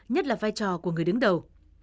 nhất là vai trò của người đứng đầu